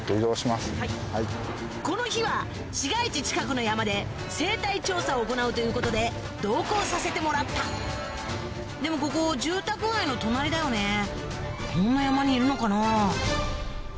この日は市街地近くの山で生態調査を行うということで同行させてもらったでもここ住宅街の隣だよねこんな山にいるのかな？